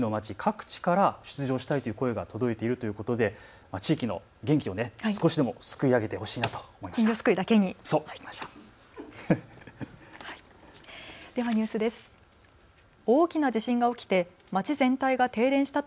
すでに奈良県をはじめ金魚すくいの街、各地から出場したいという声が届いているということで地域の元気を少しでもすくい上げてほしいなと思いました。